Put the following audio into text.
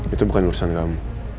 itu bukan urusan kamu